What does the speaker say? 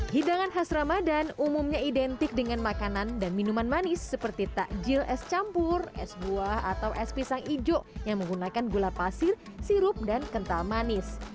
hidangan khas ramadhan umumnya identik dengan makanan dan minuman manis seperti takjil es campur es buah atau es pisang ijo yang menggunakan gula pasir sirup dan kental manis